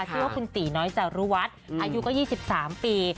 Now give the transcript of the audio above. ชื่อว่าคุณตีน้อยจารุวัฒน์อายุก็๒๓ปี